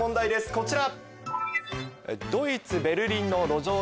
こちら。